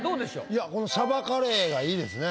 いやこの「しゃばカレー」が良いですね。